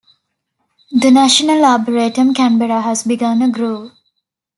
The National Arboretum Canberra has begun a grove.